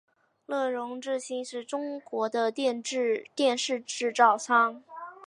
乐融致新是中国的电视制造商。